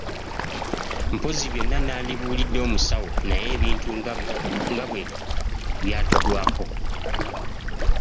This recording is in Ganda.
Mpozzi byonna nnandibibuulidde omusawo; naye ebintu nga bwe byatugwako.